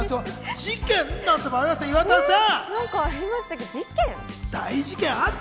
事件なんてのもありますよ、岩田さん。